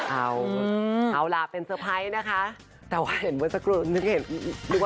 เอาร่ะเป็นเสริมสักครู่นะคะ